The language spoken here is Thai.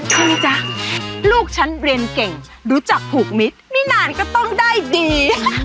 ช่วยจ๊ะลูกฉันเรียนเก่งรู้จักผูกมิตรไม่นานก็ต้องได้ดี